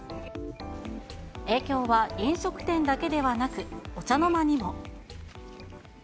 影響は飲食店だけではなく、お茶の間にも。